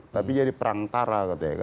tapi jadi perang tara